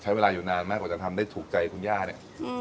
ที่นี่ว่ายุ่น่านมากกว่าจะทำได้ถูกใจคุณย่าเนี่ย